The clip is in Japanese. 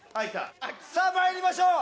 さぁまいりましょう！